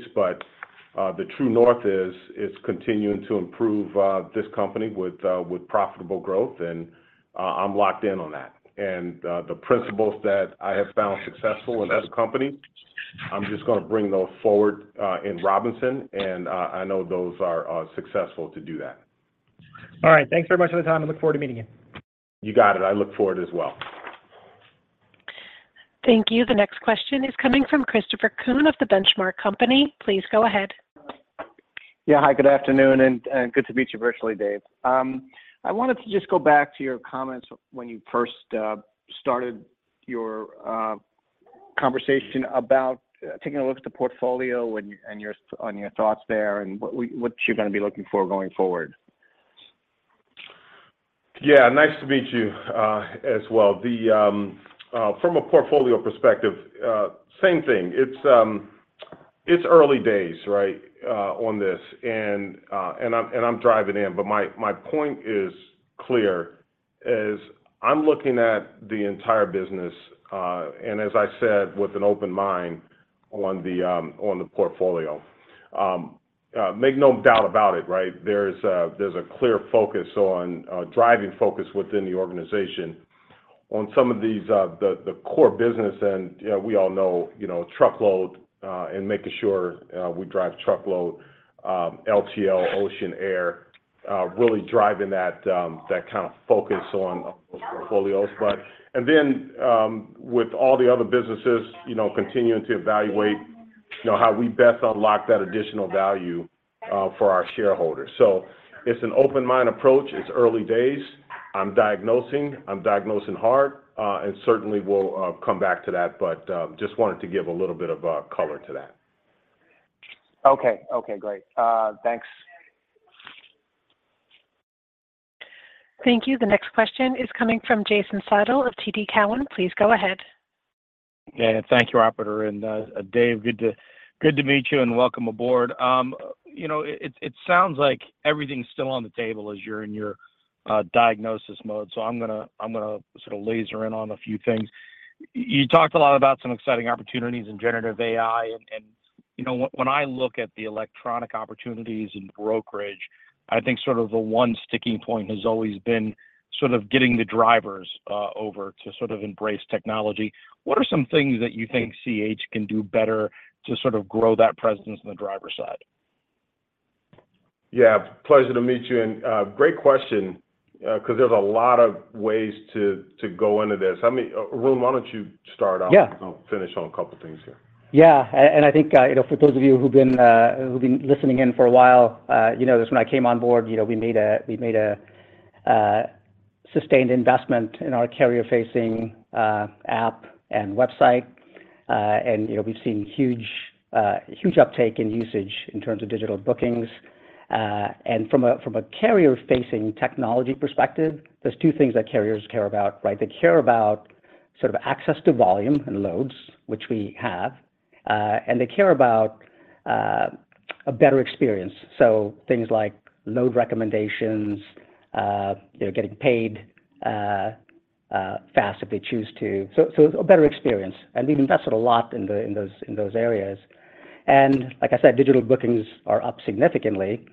The true north is, is continuing to improve, this company with, with profitable growth, and, I'm locked in on that. The principles that I have found successful in other companies, I'm just gonna bring those forward, in Robinson, and, I know those are, are successful to do that. All right. Thanks very much for the time. I look forward to meeting you. You got it. I look forward as well. Thank you. The next question is coming from Christopher Kuhn of The Benchmark Company. Please go ahead. Yeah, hi, good afternoon, and good to meet you virtually, Dave. I wanted to just go back to your comments when you first started your conversation about taking a look at the portfolio and, and your, on your thoughts there, and what you're gonna be looking for going forward. Yeah, nice to meet you, as well. From a portfolio perspective, same thing. It's early days, right, on this, and, and I'm, and I'm driving in, but my, my point is clear, is I'm looking at the entire business, and as I said, with an open mind on the portfolio. Make no doubt about it, right? There's a, there's a clear focus on driving focus within the organization on some of these, the, the core business, and we all know, you know, truckload, and making sure we drive truckload, LTL, ocean, air, really driving that kind of focus on those portfolios. With all the other businesses, you know, continuing to evaluate, you know, how we best unlock that additional value, for our shareholders. It's an open mind approach. It's early days. I'm diagnosing, I'm diagnosing hard, certainly we'll come back to that, but just wanted to give a little bit of color to that. Okay. Okay, great. Thanks. Thank you. The next question is coming from Jason Seidl of TD Cowen. Please go ahead. Yeah, thank you, operator. Dave, good to, good to meet you, and welcome aboard. You know, it, it sounds like everything's still on the table as you're in your diagnosis mode. I'm going to, I'm going to sort of laser in on a few things. You talked a lot about some exciting opportunities in Generative AI, and, and, you know, when, when I look at the electronic opportunities in brokerage, I think sort of the one sticking point has always been sort of getting the drivers, over to sort of embrace technology. What are some things that you think CH can do better to sort of grow that presence on the driver side? Yeah, pleasure to meet you, and great question, 'cause there's a lot of ways to, to go into this. I mean, Arun, why don't you start off? Yeah. I'll finish on a couple of things here. Yeah, I think, you know, for those of you who've been, who've been listening in for a while, you know this, when I came on board, you know, we made a, we made a sustained investment in our carrier-facing app and website. You know, we've seen huge, huge uptake in usage in terms of digital bookings. From a, from a carrier-facing technology perspective, there's two things that carriers care about, right? They care about sort of access to volume and loads, which we have, and they care about a better experience. So things like load recommendations, you know, getting paid fast if they choose to. So, so a better experience, and we've invested a lot in the, in those, in those areas. Like I said, digital bookings are up significantly,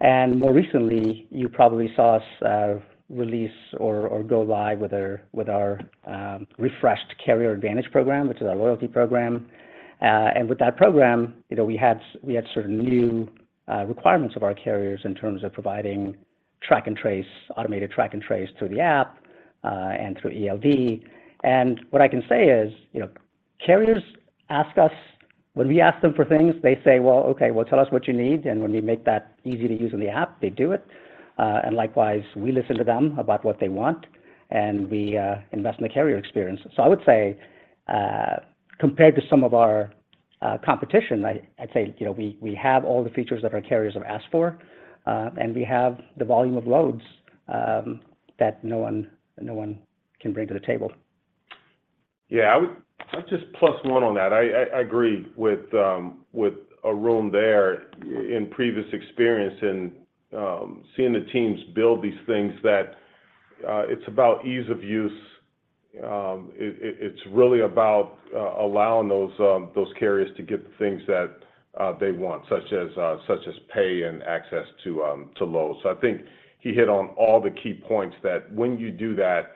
and more recently, you probably saw us release or go live with our, with our refreshed Carrier Advantage Program, which is our loyalty program. With that program, you know, we had sort of new requirements of our carriers in terms of providing track and trace, automated track and trace through the app and through ELD. What I can say is, you know, carriers ask us- when we ask them for things, they say, "Well, okay, well, tell us what you need." And when we make that easy to use in the app, they do it. Likewise, we listen to them about what they want, and we invest in the carrier experience. I would say, compared to some of our competition, I'd say, you know, we have all the features that our carriers have asked for, and we have the volume of loads, that no one, that no one can bring to the table. Yeah, I'd just plus one on that. I agree with Arun there. In previous experience in seeing the teams build these things that it's about ease of use. It's really about allowing those those carriers to get the things that they want, such as such as pay and access to to loads. I think he hit on all the key points, that when you do that.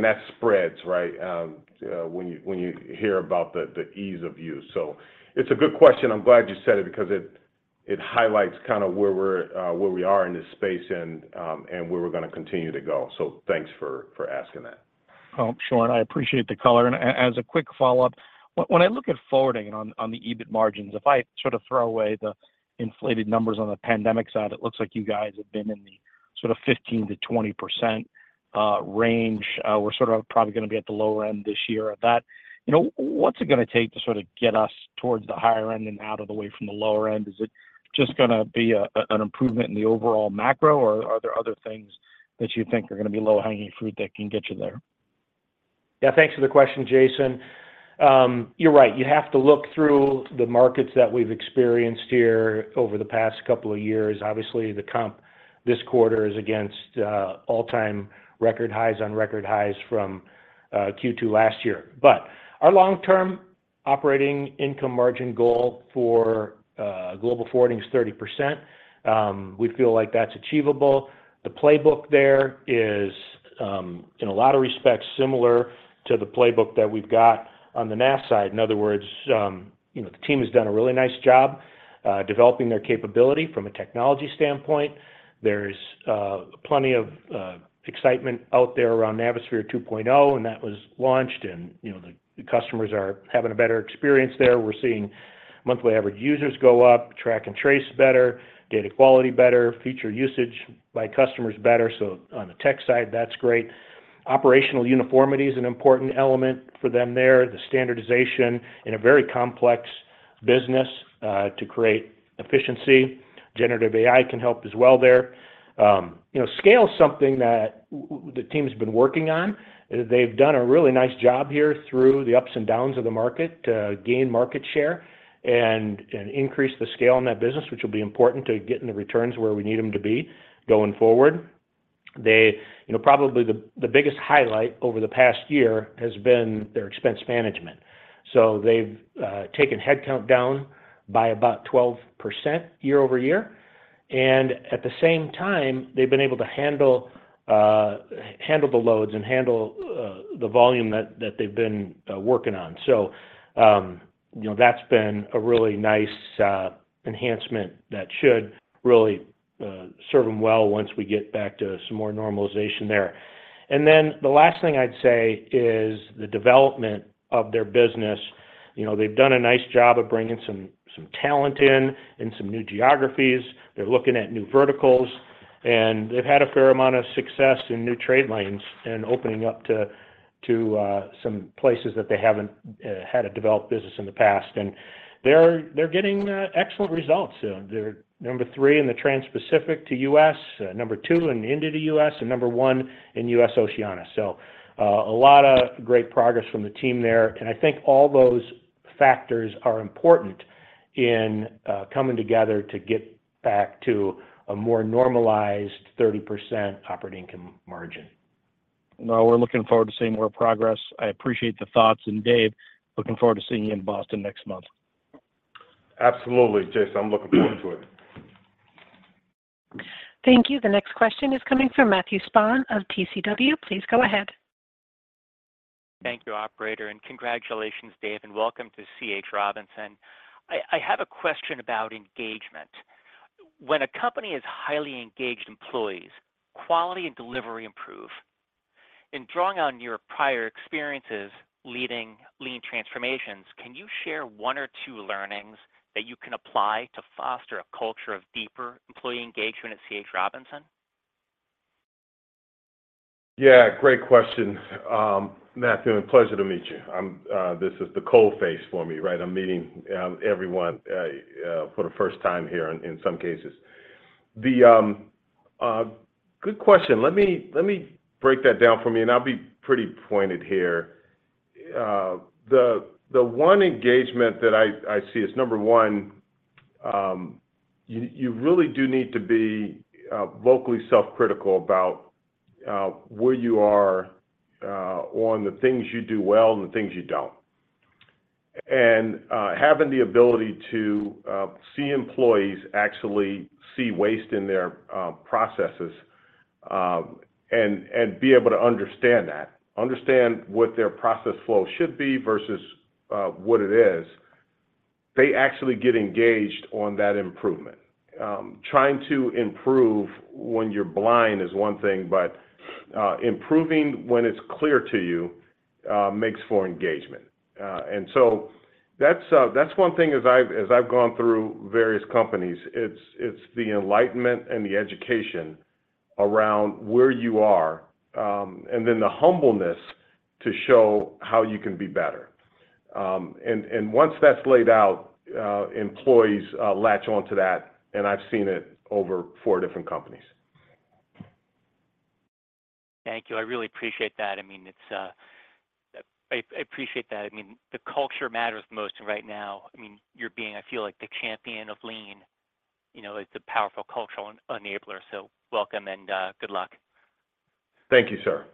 That spreads, right? When you hear about the ease of use. It's a good question. I'm glad you said it because it highlights kind of where we're where we are in this space and where we're going to continue to go. Thanks for asking that. Oh, sure, and I appreciate the color. As a quick follow-up, when I look at Forwarding on the EBIT margins, if I sort of throw away the inflated numbers on the pandemic side, it looks like you guys have been in the sort of 15%-20% range. We're sort of probably going to be at the lower end this year at that. You know, what's it going to take to sort of get us towards the higher end and out of the way from the lower end? Is it just going to be an improvement in the overall macro, or are there other things that you think are going to be low-hanging fruit that can get you there? Yeah, thanks for the question, Jason. You're right. You have to look through the markets that we've experienced here over the past couple of years. Obviously, the comp this quarter is against all-time record highs on record highs from Q2 last year. Our long-term operating income margin goal for Global Forwarding is 30%. We feel like that's achievable. The playbook there is in a lot of respects, similar to the playbook that we've got on the Nav side. In other words, you know, the team has done a really nice job developing their capability from a technology standpoint. There's plenty of excitement out there around Navisphere 2.0, and that was launched, and, you know, the customers are having a better experience there. We're seeing monthly average users go up, track and trace better, data quality better, feature usage by customers better. On the tech side, that's great. Operational uniformity is an important element for them there. The standardization in a very complex business, to create efficiency, Generative AI can help as well there. You know, scale is something that the team's been working on. They've done a really nice job here through the ups and downs of the market to gain market share and increase the scale in that business, which will be important to getting the returns where we need them to be going forward. They, you know, probably the biggest highlight over the past year has been their expense management. They've taken headcount down by about 12% year-over-year, and at the same time, they've been able to handle the loads and handle the volume that, that they've been working on. You know, that's been a really nice enhancement that should really serve them well once we get back to some more normalization there. The last thing I'd say is the development of their business. You know, they've done a nice job of bringing some, some talent in, and some new geographies. They're looking at new verticals, and they've had a fair amount of success in new trade lanes and opening up to, to some places that they haven't had a developed business in the past. They're, they're getting excellent results. They're number three in the Trans-Pacific to U.S., number two in India to U.S., and number one in U.S.-Oceania. A lot of great progress from the team there, and I think all those factors are important in coming together to get back to a more normalized 30% operating income margin. Well, we're looking forward to seeing more progress. I appreciate the thoughts, and Dave, looking forward to seeing you in Boston next month. Absolutely, Jason, I'm looking forward to it. Thank you. The next question is coming from Matthew Spahn of TCW. Please go ahead. Thank you, operator. Congratulations, Dave, and welcome to C.H. Robinson. I have a question about engagement. When a company has highly engaged employees, quality and delivery improve. In drawing on your prior experiences leading lean transformations, can you share one or two learnings that you can apply to foster a culture of deeper employee engagement at C.H. Robinson? Yeah, great question. Matthew, and pleasure to meet you. This is the cold face for me, right? I'm meeting everyone for the first time here in, in some cases. The good question. Let me, let me break that down for me, and I'll be pretty pointed here. The, the one engagement that I, I see is number one, you, you really do need to be vocally self-critical about where you are on the things you do well and the things you don't. Having the ability to see employees actually see waste in their processes, and be able to understand that, understand what their process flow should be versus what it is, they actually get engaged on that improvement. Trying to improve when you're blind is one thing, but, improving when it's clear to you, makes for engagement. So that's, that's one thing as I've, as I've gone through various companies, it's, it's the enlightenment and the education around where you are, and then the humbleness to show how you can be better. Once that's laid out, employees, latch on to that, and I've seen it over four different companies. Thank you. I really appreciate that. I mean, it's, I, I appreciate that. I mean, the culture matters most right now. I mean, you're being, I feel like, the champion of Lean. You know, it's a powerful cultural enabler, so welcome and good luck. Thank you, sir.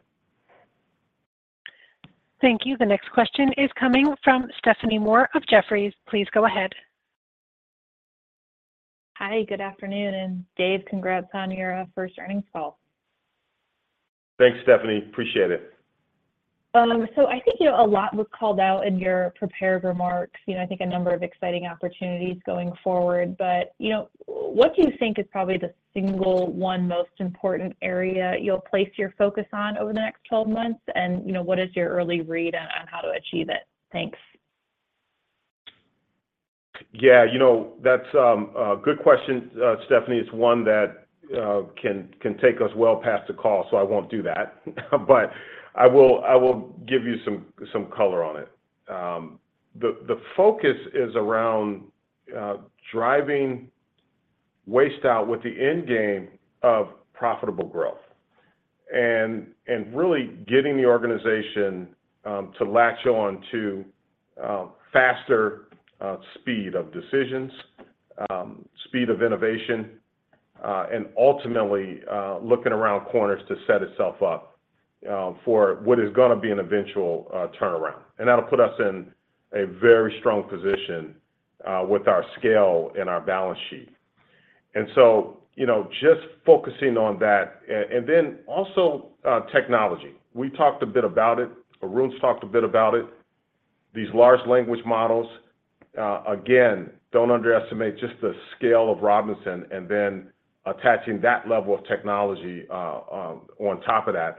Thank you. The next question is coming from Stephanie Moore of Jefferies. Please go ahead. Hi, good afternoon, and Dave, congrats on your first earnings call. Thanks, Stephanie. Appreciate it. I think, you know, a lot was called out in your prepared remarks, you know, I think a number of exciting opportunities going forward. You know, what do you think is probably the single one most important area you'll place your focus on over the next 12 months? You know, what is your early read on, on how to achieve it? Thanks. Yeah, you know, that's a good question, Stephanie. It's one that can, can take us well past the call, so I won't do that. But I will, I will give you some, some color on it. The, the focus is around driving waste out with the end game of profitable growth and, and really getting the organization to latch on to faster speed of decisions, speed of innovation, and ultimately looking around corners to set itself up for what is gonna be an eventual turnaround. And that'll put us in a very strong position with our scale and our balance sheet. And so, you know, just focusing on that and then also technology. We talked a bit about it, Arun's talked a bit about it, these large language models. Again, don't underestimate just the scale of Robinson, and then attaching that level of technology on top of that,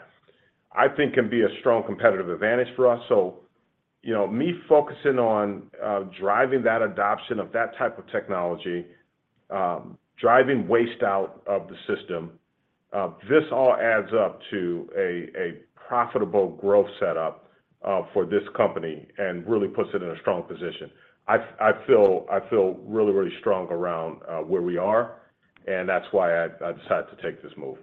I think can be a strong competitive advantage for us. You know, me focusing on driving that adoption of that type of technology, driving waste out of the system, this all adds up to a profitable growth setup for this company and really puts it in a strong position. I feel, I feel really, really strong around where we are, and that's why I decided to take this move.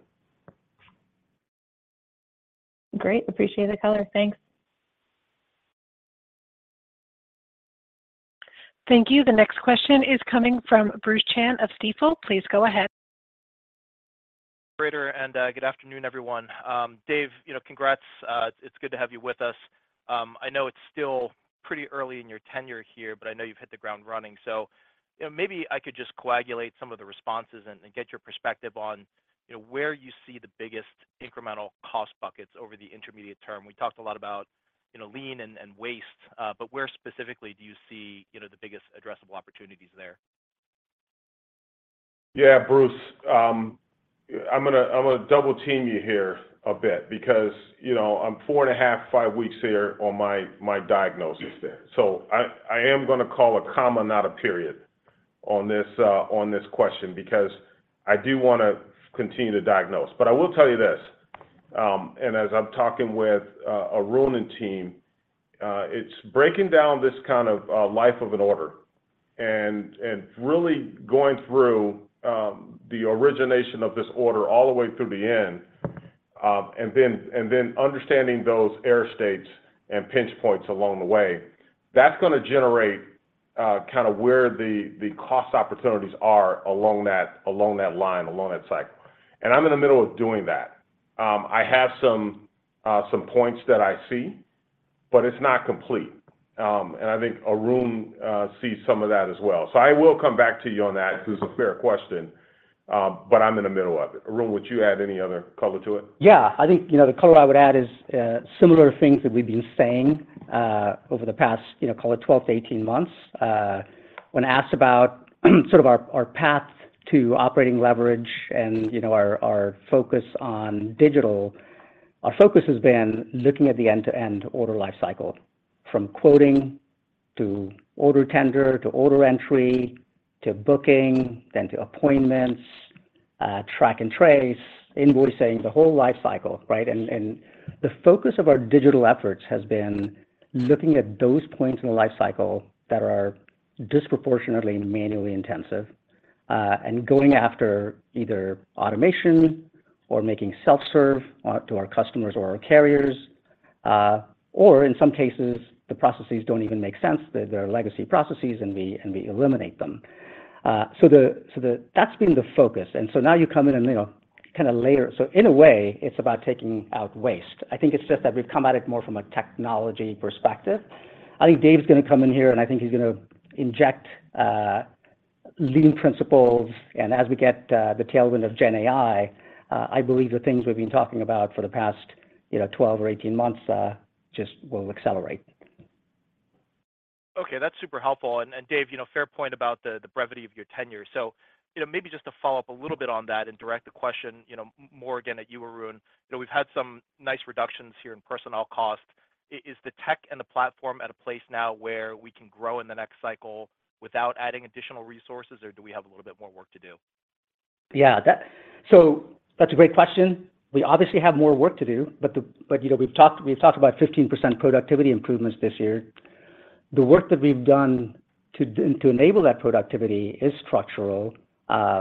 Great. Appreciate the color. Thanks. Thank you. The next question is coming from Bruce Chan of Stifel. Please go ahead. Good afternoon, everyone. Dave, you know, congrats. It's good to have you with us. I know it's still pretty early in your tenure here, but I know you've hit the ground running. You know, maybe I could just coagulate some of the responses and, and get your perspective on, you know, where you see the biggest incremental cost buckets over the intermediate term. We talked a lot about, you know, Lean and, and waste, but where specifically do you see, you know, the biggest addressable opportunities there? Yeah, Bruce, I'm gonna, I'm gonna double team you here a bit because, you know, I'm 4.5, five weeks here on my, my diagnosis. I, I am gonna call a comma, not a period, on this question, because I do wanna continue to diagnose. I will tell you this, as I'm talking with Arun and team, it's breaking down this kind of life of an order, and, and really going through the origination of this order all the way through the end, and then, and then understanding those error states and pinch points along the way. That's gonna generate kind of where the, the cost opportunities are along that, along that line, along that cycle. I'm in the middle of doing that. I have some, some points that I see, but it's not complete. I think Arun sees some of that as well. I will come back to you on that, because it's a fair question, but I'm in the middle of it. Arun, would you add any other color to it? Yeah. I think, you know, the color I would add is similar things that we've been saying over the past, you know, call it 12-18 months. When asked about, sort of our, our path to operating leverage and, you know, our, our focus on digital, our focus has been looking at the end-to-end order life cycle, from quoting, to order tender, to order entry, to booking, then to appointments, track and trace, invoicing, the whole life cycle, right? The focus of our digital efforts has been looking at those points in the life cycle that are disproportionately manually intensive, and going after either automation or making self-serve to our customers or our carriers. In some cases, the processes don't even make sense. They're, they're legacy processes, and we, and we eliminate them. That's been the focus. Now you come in and, you know, kind of layer. In a way, it's about taking out waste. I think it's just that we've come at it more from a technology perspective. I think Dave's gonna come in here, and I think he's gonna inject Lean principles, and as we get the tailwind of GenAI, I believe the things we've been talking about for the past, you know, 12 or 18 months, just will accelerate. Okay, that's super helpful. Dave, you know, fair point about the, the brevity of your tenure. You know, maybe just to follow up a little bit on that and direct the question, you know, more again at you, Arun. You know, we've had some nice reductions here in personnel cost. Is the tech and the platform at a place now where we can grow in the next cycle without adding additional resources, or do we have a little bit more work to do? That's a great question. We obviously have more work to do, you know, we've talked, we've talked about 15% productivity improvements this year. The work that we've done to enable that productivity is structural.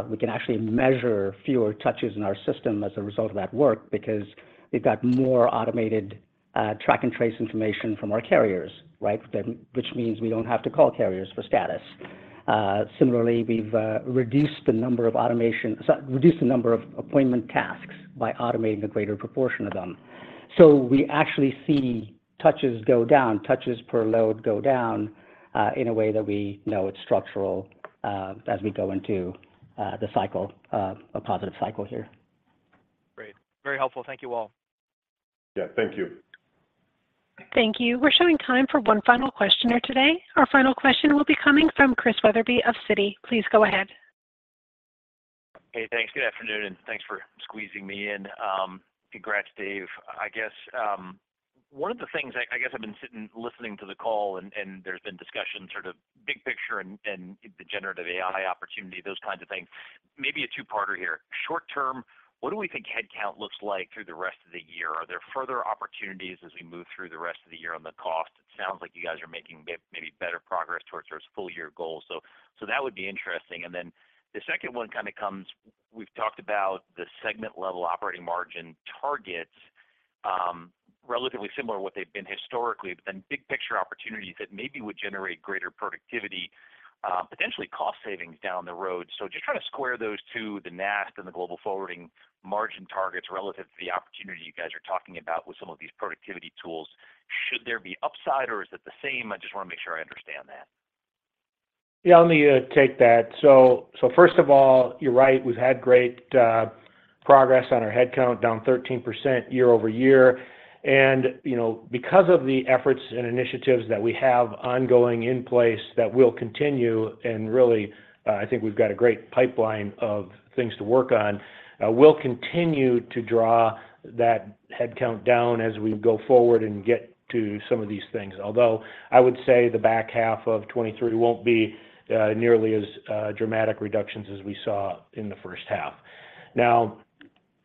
We can actually measure fewer touches in our system as a result of that work because we've got more automated track and trace information from our carriers, right? Which means we don't have to call carriers for status. Similarly, we've reduced the number of appointment tasks by automating a greater proportion of them. We actually see touches go down, touches per load go down, in a way that we know it's structural, as we go into the cycle, a positive cycle here. Great. Very helpful. Thank you, all. Yeah, thank you. Thank you. We're showing time for one final questioner today. Our final question will be coming from Chris Wetherbee of Citi. Please go ahead. Hey, thanks. Good afternoon, and thanks for squeezing me in. Congrats, Dave. I guess, one of the things I, I guess I've been sitting, listening to the call and, there's been discussion, sort of big picture and, the Generative AI opportunity, those kinds of things. Maybe a two-parter here. Short term, what do we think headcount looks like through the rest of the year? Are there further opportunities as we move through the rest of the year on the cost? It sounds like you guys are making maybe better progress towards those full-year goals, so that would be interesting. The second one kind of comes, we've talked about the segment-level operating margin targets, relatively similar to what they've been historically, but then big picture opportunities that maybe would generate greater productivity, potentially cost savings down the road. Just trying to square those two, the NAST and the Global Forwarding margin targets relative to the opportunity you guys are talking about with some of these productivity tools. Should there be upside or is it the same? I just want to make sure I understand that. Yeah, let me take that. First of all, you're right, we've had great progress on our headcount, down 13% year-over-year. You know, because of the efforts and initiatives that we have ongoing in place that will continue, and really, I think we've got a great pipeline of things to work on, we'll continue to draw that headcount down as we go forward and get to some of these things. Although, I would say the back half of 2023 won't be nearly as dramatic reductions as we saw in the first half.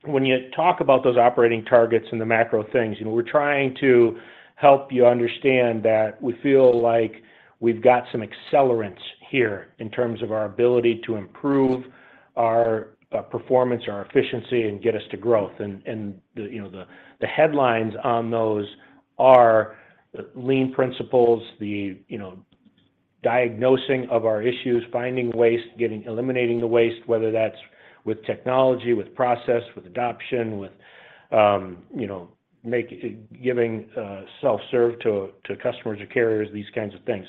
When you talk about those operating targets and the macro things, you know, we're trying to help you understand that we feel like we've got some accelerants here in terms of our ability to improve our performance, our efficiency, and get us to growth. The, you know, the, the headlines on those are lean principles, the, you know, diagnosing of our issues, finding waste, eliminating the waste, whether that's with technology, with process, with adoption, with, you know, giving self-serve to, to customers or carriers, these kinds of things.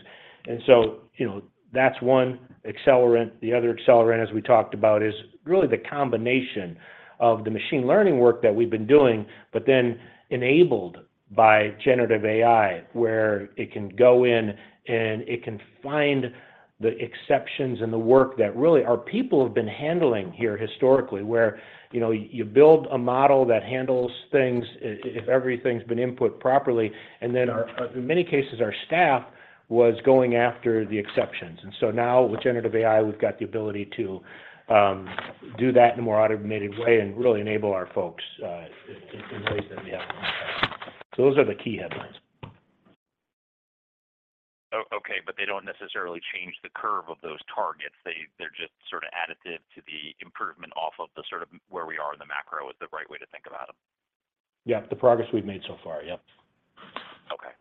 So, you know, that's one accelerant. The other accelerant, as we talked about, is really the combination of the machine learning work that we've been doing, but then enabled by Generative AI, where it can go in and it can find the exceptions and the work that really our people have been handling here historically. Where, you know, you build a model that handles things if everything's been input properly, and then our, in many cases, our staff was going after the exceptions. Now, with Generative AI, we've got the ability to do that in a more automated way and really enable our folks in ways that we haven't before. Those are the key headlines. Okay, but they don't necessarily change the curve of those targets. They're just sort of additive to the improvement off of the sort of where we are in the macro, is the right way to think about them? Yeah, the progress we've made so far. Yep. Okay.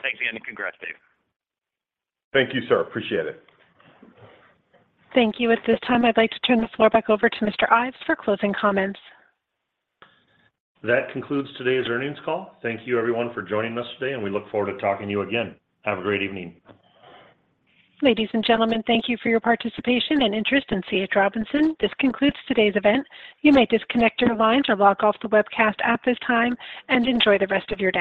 Thanks again, and congrats, Dave. Thank you, sir. Appreciate it. Thank you. At this time, I'd like to turn the floor back over to Mr. Ives for closing comments. That concludes today's earnings call. Thank you everyone for joining us today, and we look forward to talking to you again. Have a great evening. Ladies and gentlemen, thank you for your participation and interest in C.H. Robinson. This concludes today's event. You may disconnect your lines or log off the webcast at this time, and enjoy the rest of your day.